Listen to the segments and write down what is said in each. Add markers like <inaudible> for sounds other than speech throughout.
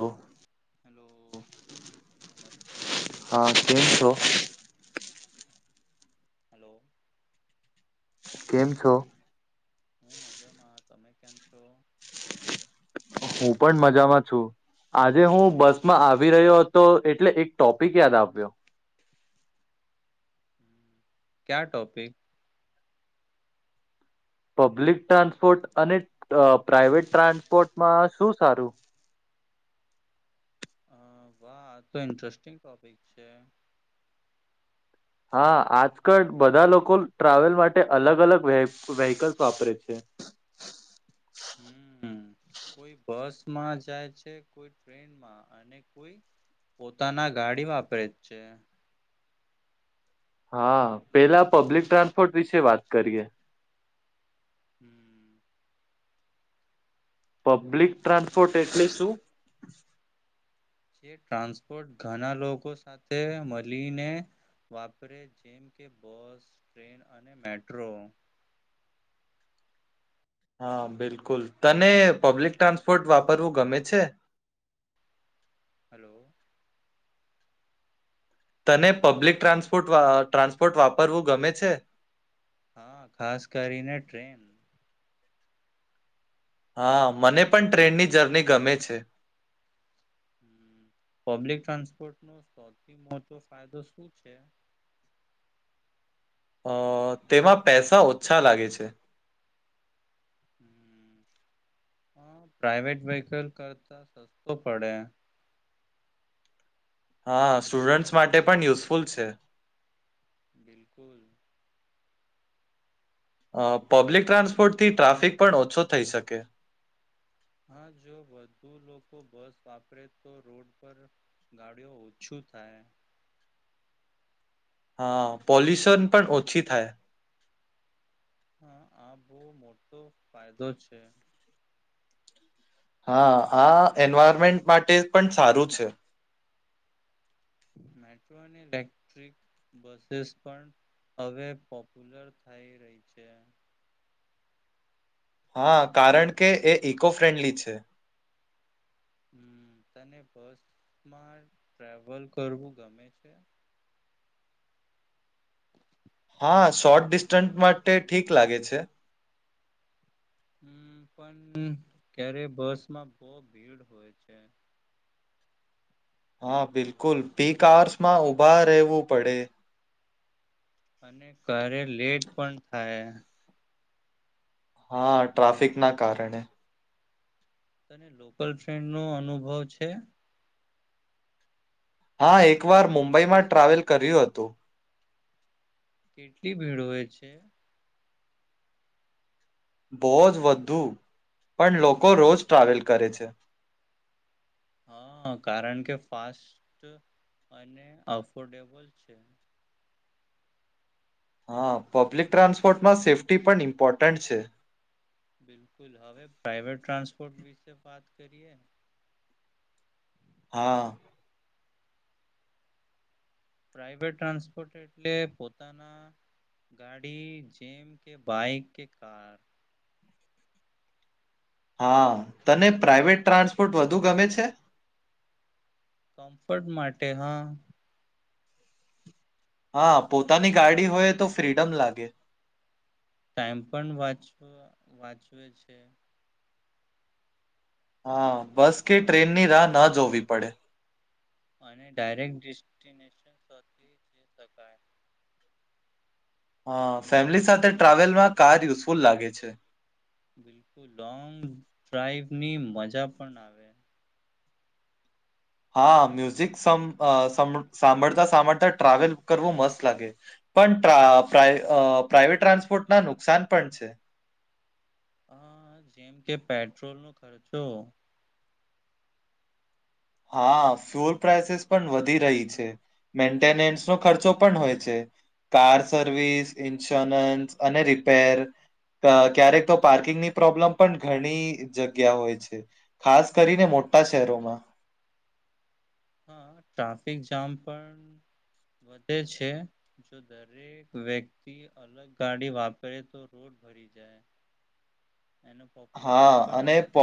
ઓ. Hello, નમસ્તે. હા, કેમ છો? હલો. કેમ છો? હું મજામાં તમે કેમ છો? હું પણ મજામાં છું. આજે હું બસમાં આવી રહ્યો હતો એટલે એક ટોપિક યાદ આવ્યો. ક્યાં ટોપિક? પબ્લિક ટ્રાન્સપોર્ટ અને અ પ્રાઈવેટ ટ્રાન્સપોર્ટમાં શું સારું? હ, વાહ આતો ઇન્ટરેસ્ટિંગ ટોપિક છે. હા, આજકલ બધાં લોકો ટ્રાવેલ માટે અલગ અલગ વે વેહકલ્સ વાપરે છે. હમ, કોઈ બસમાં જાય છે કોઈ ટ્રેનમાં. હા અને કોઈ પોતાના ગાડી વાપરે જ છે. હા, પેલા પબ્લિક ટ્રાન્સપોર્ટ વિશે વાત કરીએ. હમ. પબ્લિક ટ્રાન્સપોર્ટ એટલે શું? જે ટ્રાન્સપોર્ટ ઘના લોકો સાથે મલીને વાપરે જેમ કે બસ, ટ્રેન અને મેટ્રો. હા, બિલકુલ તને પબ્લિક ટ્રાન્સપોર્ટ વાપરવું ગમે છે? હલો. તને પબ્લિક ટ્રાન્સપોર્ટ વા ટ્રાન્સપોર્ટ વાપરવું ગમે છે? હા, ખાસ કરીને ટ્રેન. હા, મને પણ ટ્રેનની જર્ની ગમે છે. હમ, પબ્લિક ટ્રાન્સપોર્ટનો સૌથી મોટો ફાયદો શું છે? અ તેમાં પેસા ઓછા લાગે છે. હ, હા પ્રાઈવેટ વેહિકલ કરતા સસ્તો પડે. હા, સ્ટુડન્ટ્સ માટે પણ યુઝફુલ છે. બિલકુલ. અ પબ્લિક ટ્રાન્સપોર્ટથી ટ્રાફિક પણ ઓછો થઈ શકે. હા, જો વધુ લોકો બસ વાપરે તો રોડ પર ગાડીઓ ઓછું થાય. હા, પોલ્યુશન પણ ઓછી થાય. હા, આ બો મોટો ફાયદો છે. હા, આ એન્વાયરમેન્ટ માટે પણ સારું છે. મેટ્રો અને લેક્ટ્રિક બસીસ પણ હવે પોપ્યુલર થઈ રહી છે. હા, કારણ કે એ ઇકો ફ્રેન્ડલી છે. હમ, તને બસમાં ટ્રાવેલ કરવું ગમે છે? હા, શોર્ટ ડિસ્ટન્ટ માટે ઠીક લાગે છે. હમ, પન ક્યારે બસમાં બો ભીડ હોય છે. હા, બિલકુલ પીક આવર્સમાં ઉભા રહેવું પડે. અને કરે લેટ પણ થાય. હા, ટ્રાફિકના કારણે. તને લોકલ ટ્રેનનો અનુભવ છે? હા, એક વાર મુંબઈમાં ટ્રાવેલ કર્યું હતું. કેટલી ભીડ હો એ છે? બહુજ વધુ પણ લોકો રોજ ટ્રાવેલ કરે છે. હા કારણ કે ફાસ્ટ અને અફોર્ડેબલ છે. હા પબ્લિક ટ્રાન્સપોર્ટમાં સેફ્ટી પણ ઇમ્પોર્ટન્ટ છે. બિલકુલ, હવે પ્રાઇવેટ ટ્રાન્સપોર્ટ વિશે વાત કરીએ. હા. પ્રાાઈવેટ ટ્રાન્સપોર્ટ એટલે પોતાના ગાડી જેેમ કે બાઇક કે કાર. હા તને પ્રાાઈવેટ ટ્રાન્સપોર્ટ વધુ ગમે છે? કમ્ફર્ટ માટે હા. હા પોતાની ગાડી હોય તો ફ્રીડમ લાગે. ટાઈમ પણ વાંચવ વાંચવે છે. હા બસ કે ટ્રેનની રાહ ના જોવી પડે. અને ડાયરેક્ટ ડેસ્ટિનેશન <unintelligible> શકાય. હા ફેમિલી સાથે ટ્રાવેલ માં કાર યુઝફુલ લાગે છે. બિલકુલ લોંગ ડ્રાઈવ ની મજા પણ આવે. હા મ્યુઝિક સમ અ સંભ સાંભળતા સાંભળતા ટ્રાવેલ કરવું મસ્ત લાગે. પણ પ્રાઇવેટ ટ્રાન્સપોર્ટ ના નુકસાન પણ છે. હ જેમ કે પેટ્રોલ નો ખર્ચો હા ફ્યુલ પ્રઇસીસ પણ વધી રહી છે. મેન્ટેનન્સ નો ખર્ચો પણ હોય છે. કાર સર્વિસ ઇન્સ્યોરન્સ અને રિપેર અ ક્યારેક તો પાર્કિંગની પ્રોબ્લેમ પણ ઘણી જગ્યા હોય છે. ખાસ કરીને મોટા શહેરોમા હા ટ્રાફિક જામ પણ વધે છે. જો દરેક વ્યક્તિ અલગ ગાડી વાપરે તો રોડ ભરી જાય. એનુ હા અને પ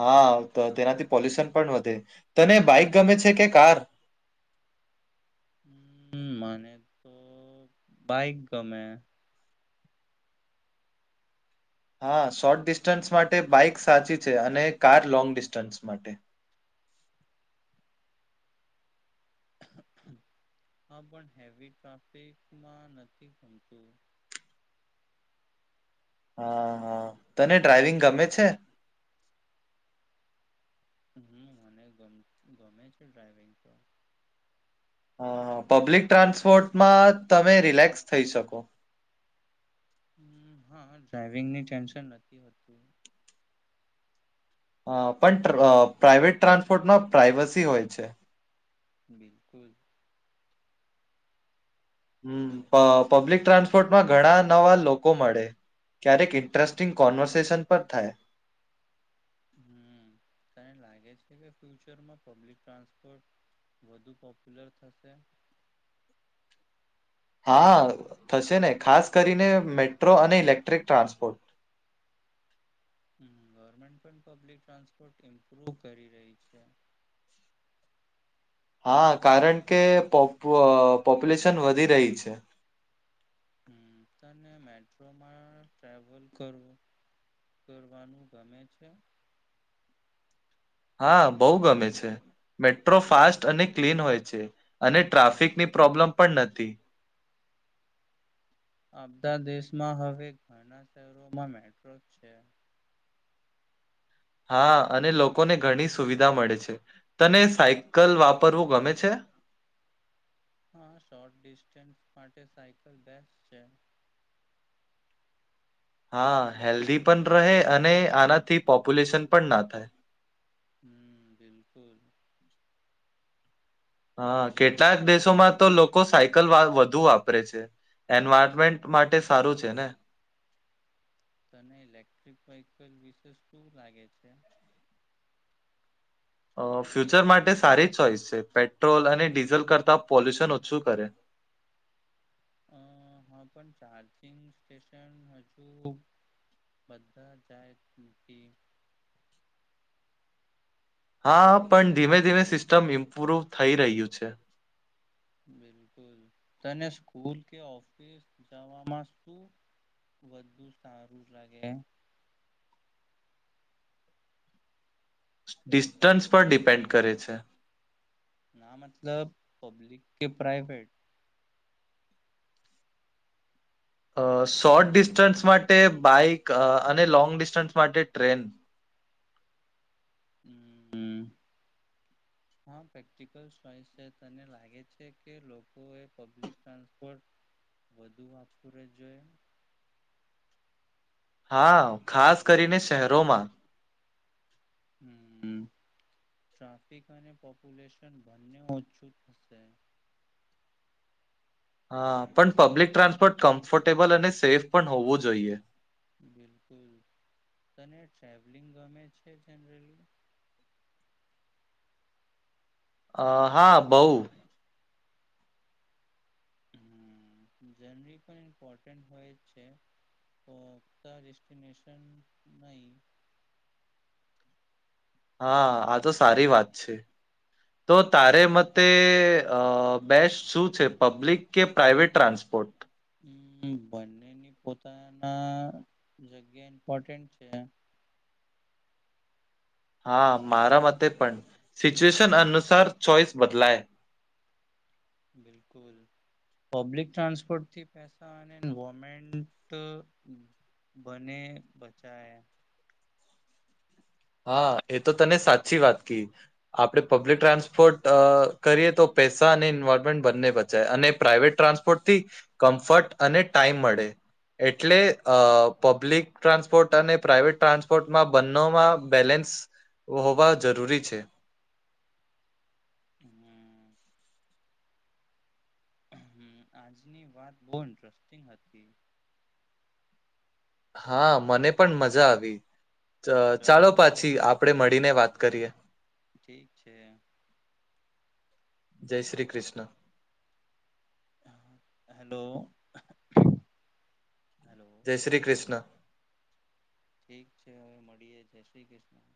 હા તો તેનાથી પોલ્યુશન પણ વધે તને બાઈક ગમે છે કે કાર હમ મને તો બાઈક ગમે હા શોર્ટ ડિસ્ટન્સ માટે બાઈક સાચી છે અને કાર લોંગ ડિસ્ટન્સ માટે હા પણ હેવી ટ્રાફિકમાં નથી ગમતુ હા હા તને ડ્રાઈવિંગ ગમે છે. હમ મને ગમે છે ડ્રાઈવિંગ તો હ પબ્લિક ટ્રાન્સપોર્ટમાં તમે રિલેક્સ થઈ, શકો હ હા ડ્રાઈવિંગ ની ટેન્શન નથી હોતુ. હ પણ પ્રાઇવેટ ટ્રાન્સપોર્ટમાં પ્રાાઈવસી હોય છે. બિલકુલ હમ પબ્લિક ટ્રાન્સપોર્ટમાં ઘણા નવા લોકો મળે ક્યારેક ઇન્ટરેસ્ટિંગ કોન્વર્સેશન પણ થાય. હમ તને લાગે છે કે ફ્યુચરમાં પબ્લિક ટ્રાન્સપોર્ટ વધુ પોપ્યુલર થશે. હા થશે ને ખાસ કરીને મેટ્રો અને ઇલેક્ટ્રિક ટ્રાન્સપોર્ટ ગવર્મેન્ટ પણ પબ્લિક ટ્રાન્સપોર્ટ ઇમ્પ્રુવ કરી રહી છે. હા કારણ કે પોપ્યુલેશન વધી રહી છે. હમ તને મેટ્રોમાં ટ્રાવલ કરવુ કરવાનું ગમે છે. હા બહુ ગમે છે, મેટ્રો ફાસ્ટ અને ક્લીન હોય છે અને ટ્રાફિક ની પ્રોબ્લેમ પણ નથી અમધા દેશમાં હવે ઘણા શહેરોમાં મેટ્રો છે. હા અને લોકોને ઘણી સુવિધા મળે છે, તને સાયકલ વાપરવું ગમે છે. હા શોર્ટ ડિસ્ટન્સ માટે સાયકલ બેસ છે. હા હેલ્ધી પણ રહે અને આનાથી પોપ્યુલેશન પણ ના થાય. હમ બિલકુલ હા કેટલાક દેશોમાં તો લોકો સાયકલ વધુ વાપરે છે. એન્વાયરમેન્ટ માટે સારુ છેને. તને ઇલેક્ટ્રિક વહકલ વિશેષ શું લાગે છે. અ ફ્યુચર માટે સારી ચોઈસ છે પેટ્રોલ અને ડીઝલ કરતાં પોલ્યુશન ઓછું કરે અ હા પણ ચાર્જિંગ સ્ટેશન હજુ બધા જાય કે હા પણ ધીમે ધીમે સિસ્ટમ ઇમ્પ્રુવ થઈ રહ્યુ, છ. બિલકુલ તને સ્કૂલ કે ઓફિસ જવાસ્તુ વધુ સારું લાગે. ડિસ્ટન્સ પર ડિપેન્ડ કરે છે. ના મતલબ પબ્લિક કે પ્રાઈવેટ અ શોર્ટ ડિસ્ટન્સ માટે બાઈક અને લોંગ ડિસ્ટન્સ માટે ટ્રેન હમ્મ હા પ્રેક્ટિકલ ચોઈસ છે તને લાગે છે કે લોકોએ પબ્લિક ટ્રાન્સપોર્ટ વધુ વાતું રહેજો એ. હા ખાસ કરીને શહેરોમાં હમ ટ્રાફિક અને પોપ્યુલેશન બંને ઓછું થશે. હા પણ પબ્લિક ટ્રાન્સપોર્ટ કમ્ફર્ટેબલ અને સેફ પણ હોવું જોઈએ. બિલકુલ તને ટ્રાવલિંગ ગમે છે જનરલી અ હા બઉ. હમ જરની પણ ઇમ્પોર્ટન્ટ હોય છે. તો ફક્તા ડેસ્ટિનેશન નહી. હા આ તો સારી વાત છે. <unintelligible> તો તારે મતે અ બેસ્ટ શું છે પબ્લિક કે પ્રાઈવેટ ટ્રાન્સપોર્ટ હમ બંનેની પોતાના જગ્યા ઇમ્પોર્ટન્ટ છે. હા મારા મતે પણ સિચ્યુએશન અનુસાર ચોઈસ બદલાય. બિલકુલ. પબ્લિક ટ્રાન્સપોર્ટ થી પૈસા અને એન્વોર્મેન્ટ બને બચાયે. હા એ તો તને સાચી વાત કી. આપણે પબ્લિક ટ્રાન્સપોર્ટ અ કરીએ તો પૈસા અને ઇન્વોલ્વમેન્ટ બંને બચાય અને પ્રાઇવેટ ટ્રાન્સ પોટ થી કમ્ફર્ટ અને ટાઈમ મળે. એટલે અ પબ્લિક ટ્રાન્સપોર્ટ અને પ્રાઈવેટ ટ્રાન્સપોર્ટમાં બંનોમાં બેલેન્સ હોવા જરૂરી છે. હમ. હ આજની વાત બહુ ઇન્ટરેસ્ટિંગ હતી. હા મને પણ મજા આવી. ચ ચલો ચાલો હવે પાછી આપણેે મળીને વાત કરીએ. ઠીક છે. જય શ્રી કૃષ્ણ. હેલો. હેલો જય શ્રી કૃષ્ણ. ઠીક છે હવે મળીએ છે જય શ્રી કૃષ્ણ.